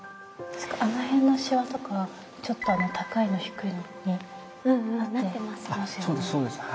あのへんのしわとかちょっと高いの低いのになってますよね。